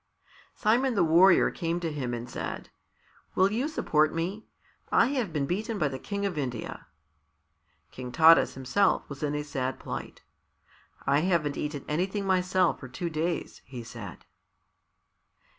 Simon the Warrior came to him and said, "Will you support me? I have been beaten by the King of India." King Taras himself was in a sad plight. "I haven't eaten anything myself for two days," he said.